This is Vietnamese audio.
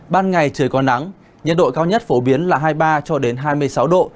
ban ngày trời có nắng nhiệt độ cao nhất phổ biến là hai mươi ba hai mươi sáu độ